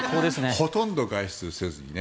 ほとんど外出せずにね。